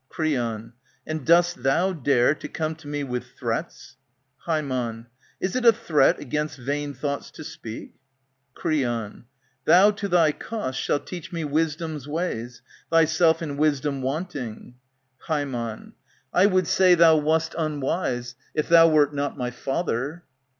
Creon, And dost thou dare to come to me with threats ? Ham, Is it a threat against vain thoughts to speak ? Creon, Thou tothy cost shalt teach me wisdom's ways. Thyself in wisdom wanting. Ham. I would say ?66 ANTIGONE Thou wast unwise, if thou wert not my father.